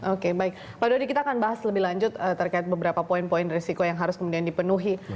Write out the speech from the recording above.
oke baik pak dodi kita akan bahas lebih lanjut terkait beberapa poin poin risiko yang harus kemudian dipenuhi